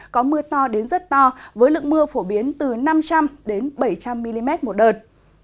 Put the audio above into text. có mưa to đến rất to với lượng mưa phổ biến từ năm trăm linh bảy trăm linh mm một đợt